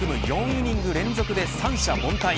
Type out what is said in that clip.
４イニング連続で三者凡退。